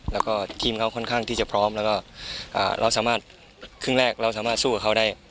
แล้วทีมเราค่อนข้างจะพร้อมแล้วเราก็สามารถสู้กับเขาได้